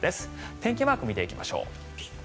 天気マークを見ていきましょう。